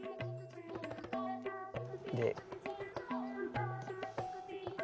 で。